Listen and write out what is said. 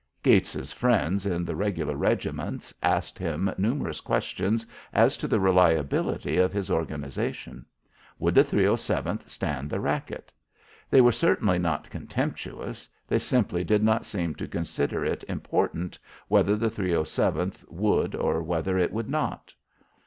Gates's friends in the regular regiments asked him numerous questions as to the reliability of his organisation. Would the 307th stand the racket? They were certainly not contemptuous; they simply did not seem to consider it important whether the 307th would or whether it would not.